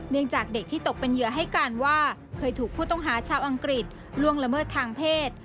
จากเด็กที่ตกเป็นเหยื่อให้การว่าเคยถูกผู้ต้องหาชาวอังกฤษล่วงละเมิดทางเพศ